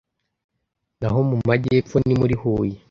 naho mu Majyepfo ni muri Huye,